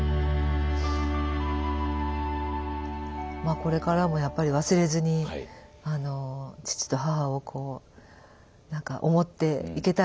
まあこれからもやっぱり忘れずに父と母をこう何か思っていけたらなと思いますね。